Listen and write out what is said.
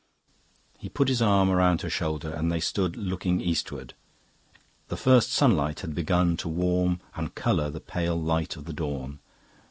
He put his arm round her shoulders and they stood looking eastward. The first sunlight had begun to warm and colour the pale light of the dawn.